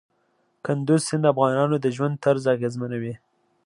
کندز سیند د افغانانو د ژوند طرز اغېزمنوي.